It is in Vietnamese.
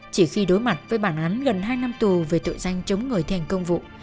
chỉ khi đối mặt với bản án gần hai năm tù về tội danh chống người thi hành công vụ